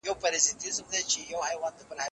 استازو به د دوستۍ پیغامونه رسولي وي.